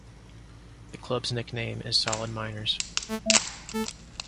The club's nickname is "Solid Miners".